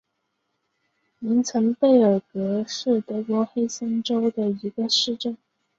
明岑贝尔格是德国黑森州的一个市镇。